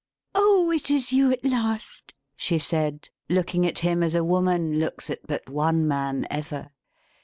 "Oh, it is you at last," she said, looking at him as a woman looks at but one man ever.